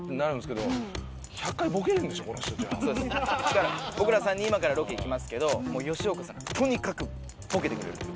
だから僕ら３人今からロケ行きますけどもう吉岡さんがとにかくボケてくれるということで。